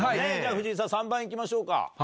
藤井さん３番いきましょうか。